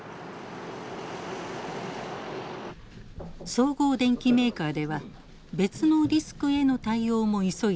総合電機メーカーでは別のリスクへの対応も急いでいます。